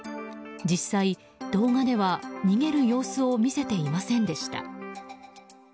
実際、動画では逃げる様子を見せていませんでした。